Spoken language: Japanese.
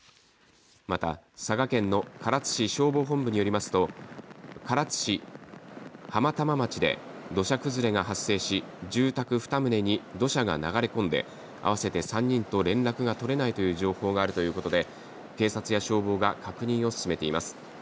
また佐賀県の唐津市消防本部によりますと唐津市浜玉町で土砂崩れが発生し住宅２棟に土砂が流れ込んで合わせて３人と連絡が取れないという情報があるということで警察や消防が確認を進めています。